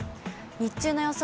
日中の予想